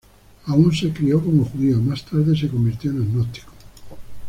Aunque se crió como judío, más tarde se convirtió en agnóstico.